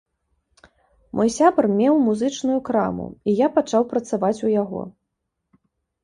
Мой сябар меў музычную краму і я пачаў працаваць у яго.